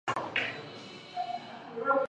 日梅尔斯基在华沙担任波兰军行政副主任。